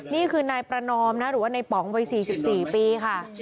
นี่คือนายประนอมนะหรือว่าในป๋องวัย๔๔ปีค่ะ